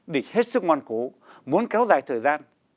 địch hết sức ngoan cố muốn kéo dài thời gian